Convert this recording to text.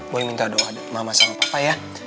boi minta doa sama mama sama papa ya